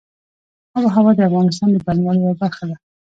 آب وهوا د افغانستان د بڼوالۍ یوه برخه ده.